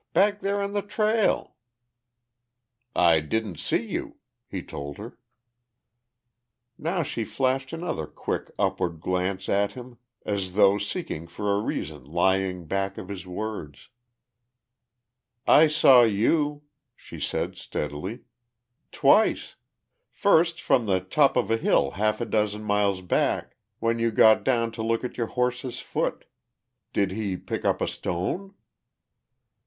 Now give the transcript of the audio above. Back there on the trail." "I didn't see you," he told her. Now she flashed another quick upward glance at him as though seeking for a reason lying back of his words. "I saw you" she said steadily. "Twice. First from the top of a hill half a dozen miles back when you got down to look at your horse's foot. Did he pick up a stone?"